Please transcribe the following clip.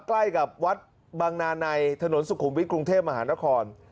ใกล้กับวัดบังนาในถนนสุขุมวิทย์กรุงเทพมหานคร